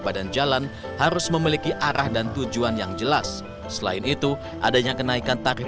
badan jalan harus memiliki arah dan tujuan yang jelas selain itu adanya kenaikan tarif